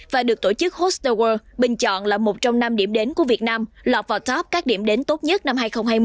và được tổ chức hostel world bình chọn là một trong năm điểm đến của việt nam lọt vào top các điểm đến tốt nhất năm hai nghìn hai mươi